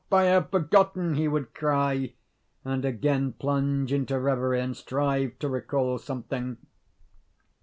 I have forgotten," he would cry, and again plunge into reverie and strive to recall something.